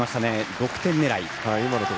６点狙い。